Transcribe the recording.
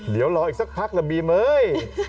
เดี๋ยวรออีกสักพักละบีเม้ย